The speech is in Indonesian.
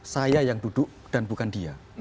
saya yang duduk dan bukan dia